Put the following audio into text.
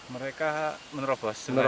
mereka menerobos sebenarnya